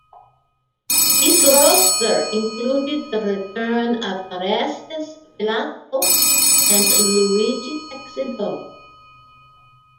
This roaster included the return of Orestes Vilato and Luigi Texidor.